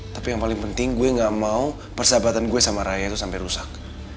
tapi yang paling penting gue gak mau persahabatan gue sama raya itu sampai rusak